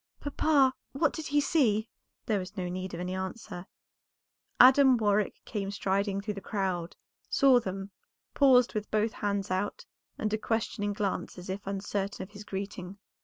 "Papa, what did he see?" There was no need of any answer; Adam Warwick came striding through the crowd, saw them, paused with both hands out, and a questioning glance as if uncertain of his greeting.